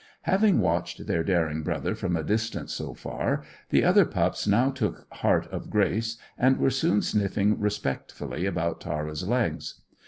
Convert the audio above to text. Having watched their daring brother from a distance so far, the other pups now took heart of grace, and were soon sniffing respectfully about Tara's legs.